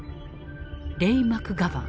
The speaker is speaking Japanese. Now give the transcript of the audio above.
レイ・マクガバン。